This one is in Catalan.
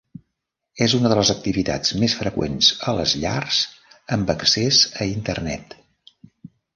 És una de les activitats més freqüents a les llars amb accés a Internet.